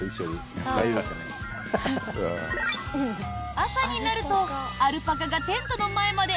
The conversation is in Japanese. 朝になるとアルパカがテントの前まで